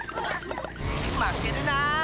まけるな！